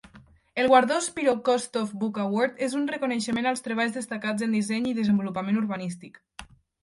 El guardó "Spiro Kostof Book Award" és un reconeixement als treballs destacats en disseny i desenvolupament urbanístic.